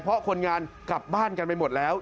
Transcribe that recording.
เพราะคนงานกลับบ้านกันไปหมดแล้ว